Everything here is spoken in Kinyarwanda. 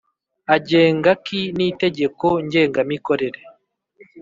Agenga khi n itegeko ngengamikorere